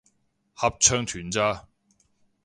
合唱團咋